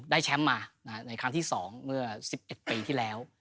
ได้แชมป์มาในครั้งที่สองเมื่อสิบเอ็ดปีที่แล้ว